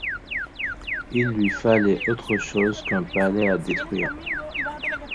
Il lui fallait autre chose qu'un palais à détruire.